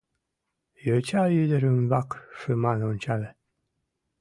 Йоча ӱдыр ӱмбак шыман ончале.